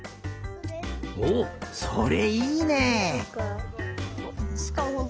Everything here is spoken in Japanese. おっそれいいね！